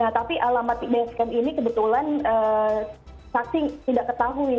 nah tapi alamat basecamp ini kebetulan saksi tidak ketahui